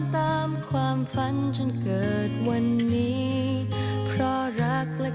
ผมกลับขอบคุณด้วยความขอบครับ